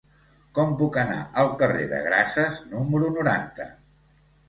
Com puc anar al carrer de Grases número noranta?